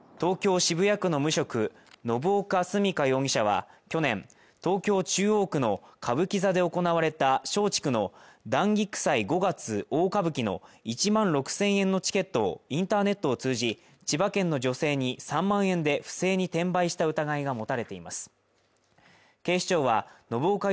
渋谷区の無職信岡純佳容疑者は去年東京中央区の歌舞伎座で行われた松竹の「團菊祭五月大歌舞伎」の１万６０００円のチケットをインターネットを通じ千葉県の女性に３万円で不正に転売した疑いが持たれています